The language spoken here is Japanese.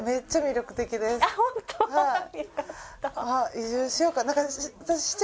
移住しようかな。